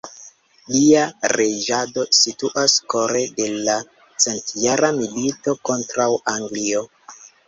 Lia reĝado situas kore de la Centjara milito kontraŭ Anglio.